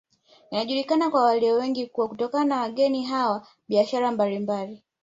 Inajulikana kwa walio wengi kuwa kutokana na wageni hawa biashara mbalimbali